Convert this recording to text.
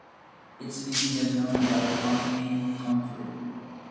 Its species are known by the common name comfrey.